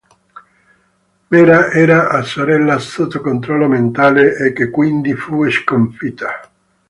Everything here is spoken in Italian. Mera era a sorella sotto controllo mentale e che quindi fu sconfitta.